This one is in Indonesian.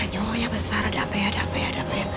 nyonya besar ada apa ya